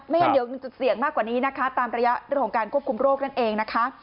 ไม่อยากให้มีจุดเสี่ยงมากกว่านี้ตามระยะโรงการควบคุมโรคนั่นเอง